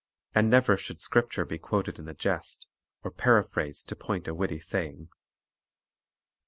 And never should Scripture be quoted in a jest, or paraphrased to point a witty saying.